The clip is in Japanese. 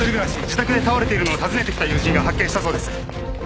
自宅で倒れているのを訪ねてきた友人が発見したそうです。